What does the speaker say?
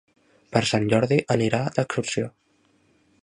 Per Sant Jordi anirà d'excursió.